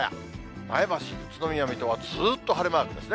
前橋、宇都宮、水戸はずっと晴れマークですね。